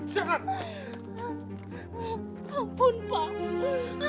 cepat pak yandai panggil taksi